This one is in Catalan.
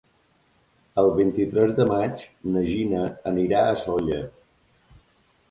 El vint-i-tres de maig na Gina anirà a Sóller.